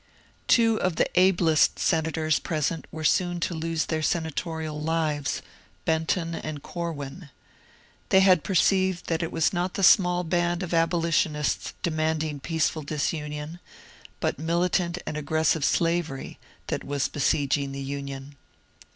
Two of the ablest senators pre sent were soon to lose their senatorial lives, — Benton and Corwin. They had perceived that it was not the small band of abolitionists demanding peaceful disunion, but militant and aggressive Slavery, that was besieging the Union.